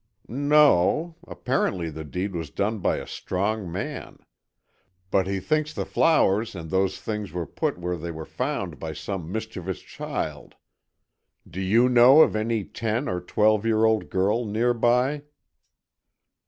"No, apparently the deed was done by a strong man. But he thinks the flowers and those things were put where they were found by some mischievous child. Do you know of any ten or twelve year old girl near by?"